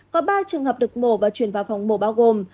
có ba trường hợp được mổ và chuyển vào phòng mổ bao gồm